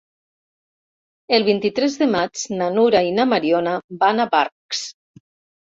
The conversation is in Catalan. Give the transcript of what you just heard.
El vint-i-tres de maig na Nura i na Mariona van a Barx.